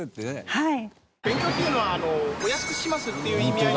はい。